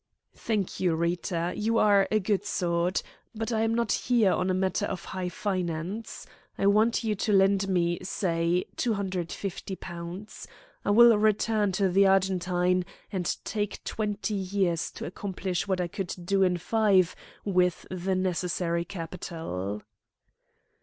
"Thank you, Rita. You are a good sort. But I am not here on a matter of high finance. I want you to lend me, say, £250. I will return to the Argentine, and take twenty years to accomplish what I could do in five with the necessary capital."